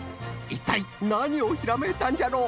いったいなにをひらめいたんじゃろ？